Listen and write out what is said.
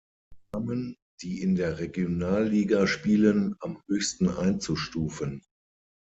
Damen, die in der Regionalliga spielen, am höchsten einzustufen.